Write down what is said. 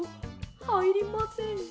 はいりません。